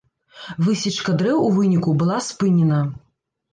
Высечка дрэў у выніку была спынена.